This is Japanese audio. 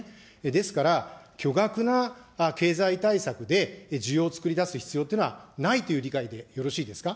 ですから、巨額な経済対策で、需要を作り出す必要というのはないという理解でよろしいですか。